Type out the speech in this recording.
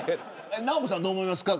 直子さん、どう思いますか。